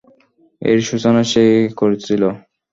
এর সূচনা সে-ই করেছিল।